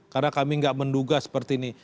karena kami nggak menduga seperti ini